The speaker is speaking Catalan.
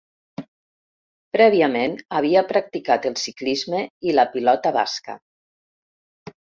Prèviament havia practicat el ciclisme i la pilota basca.